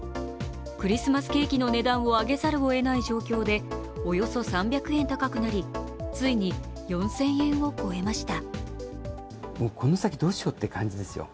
クリスマスケーキの値段を上げざるをえない状況でおよそ３００円高くなり、ついに４０００円を超えました。